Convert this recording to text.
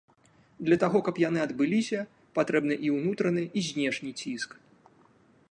Для таго, каб яны адбыліся, патрэбны і ўнутраны, і знешні ціск.